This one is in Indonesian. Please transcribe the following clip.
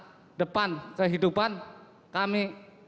masa depan kehidupan kami